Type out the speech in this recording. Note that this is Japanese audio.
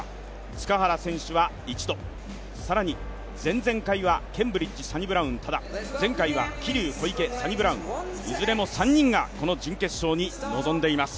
塚原選手は一度、更に前々回はケンブリッジ、サニブラウン、多田桐生、小池、サニブラウン、いずれも３人が臨んでいます。